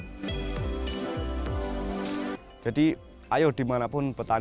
bersama istrinya paidee telah memberdayakan masyarakat hingga menjadi petani yang mandiri melalui perusahaan